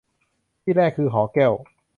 ที่แรกคือหอแก้ว